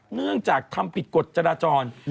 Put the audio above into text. เนื่องจากทำผิดกฎจราจร